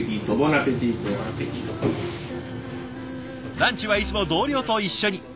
ランチはいつも同僚と一緒に。